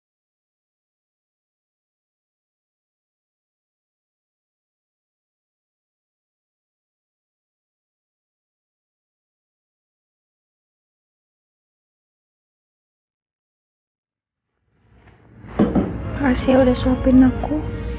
terima kasih udah suapin aku